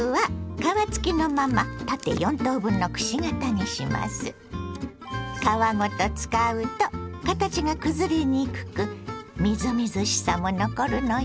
皮ごと使うと形がくずれにくくみずみずしさも残るのよ。